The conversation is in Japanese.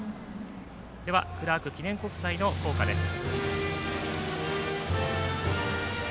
ではクラーク記念国際の校歌です。